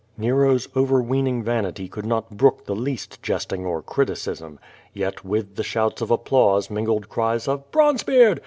'* Nero's ovenveening vanity could not brook the least jest ing or criticism. Yet with the shouts of applause min gled cries of "Bronzebeard!